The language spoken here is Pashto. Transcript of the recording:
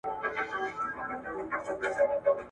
که مجازي درسونه وي، مفاهیم په بیلابیلو لارو تشریح کېږي.